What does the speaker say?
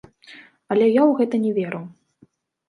Але я ў гэта не веру!